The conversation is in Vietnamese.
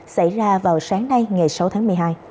xảy ra vào sáng nay ngày sáu tháng một mươi hai